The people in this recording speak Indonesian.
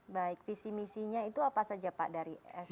baik visi misinya itu apa saja pak dari sdm